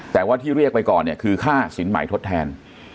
แต่ว่าที่เรียกไปก่อนเนี่ยคือค่าสินใหม่ทดแทน